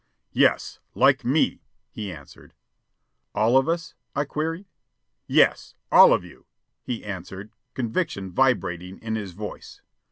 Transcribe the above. "Yes, like me," he answered. "All of us?" I queried. "Yes, all of you," he answered, conviction vibrating in his voice.